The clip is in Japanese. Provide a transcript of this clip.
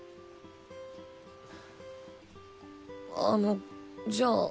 あのじゃあ。